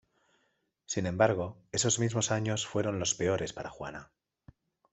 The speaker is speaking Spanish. Sin embargo, esos mismos años fueron los peores para Juana.